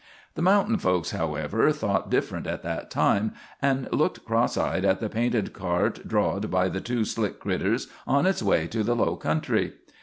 "The mountain folks, however, thought different at that time, and looked cross eyed at the painted cart drawed by the two slick critters on hits way to the low country.